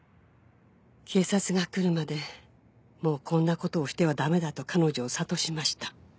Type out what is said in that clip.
「警察が来るまでもうこんなことをしては駄目だと彼女を諭しました」